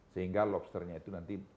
sehingga lobster nya itu nanti